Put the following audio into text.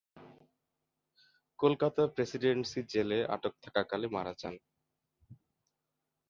Kolkata presidency জেলে আটক থাকাকালে মারা যান।